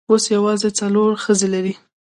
اوس یوازې څلور ښځې لري.